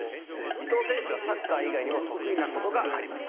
伊藤選手はサッカー以外にも得意な事があります。